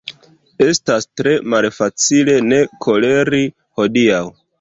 Estas tre malfacile ne koleri hodiaŭ.